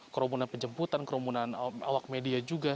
kerumunan penjemputan kerumunan awak media juga